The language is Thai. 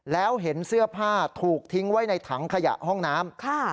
แล้วเห็นเสื้อผ้าถูกทิ้งไว้ในถังขยะห้องน้ำ